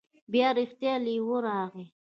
بیا رښتیا لیوه راغی.